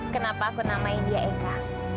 kenapa aku namain dia eka